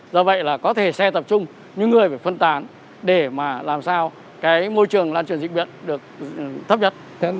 do vậy là có thể xe tập trung những người phải phân tán để mà làm sao cái môi trường lan truyền dịch bệnh được thấp nhất